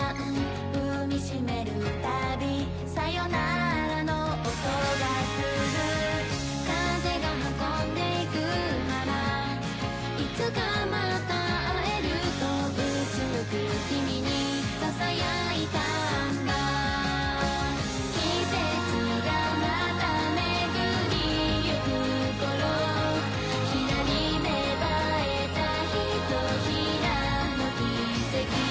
踏み締めるたびさよならの音がする風が運んでいくならいつかまた会えると俯く君に囁いたんだ季節がまた巡りゆく頃ひらり芽生えたひとひらの奇跡